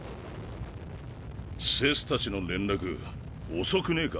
セスたちの連絡遅くねえか？